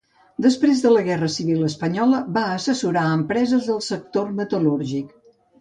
Després de la guerra civil espanyola va assessorar empreses del sector metal·lúrgic.